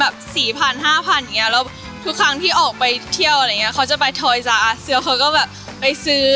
ออกไปเที่ยวอะไรอย่างเงี้ยเค้าจะไปทอยซาอาซิลเค้าก็แบบไปซื้อ